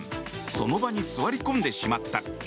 その場に座り込んでしまった。